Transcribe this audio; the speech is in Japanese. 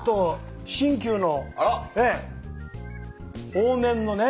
往年のね